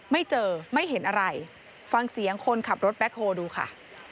ไม่เจอไม่เห็นอะไรฟังเสียงคนขับรถแบ็คโฮลดูค่ะ